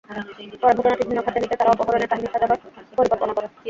পরে ঘটনাটি ভিন্ন খাতে নিতে তারা অপহরণের কাহিনি সাজানোর পরিকল্পনা করে।